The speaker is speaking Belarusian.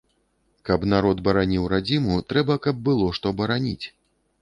Каб народ бараніў радзіму, трэба, каб было што бараніць.